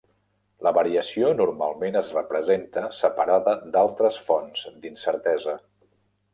La variació normalment es representa separada d'altres fonts d'incertesa.